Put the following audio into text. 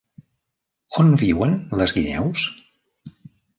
On viuen les guineus?